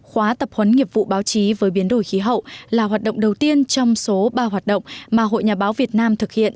khóa tập huấn nghiệp vụ báo chí với biến đổi khí hậu là hoạt động đầu tiên trong số ba hoạt động mà hội nhà báo việt nam thực hiện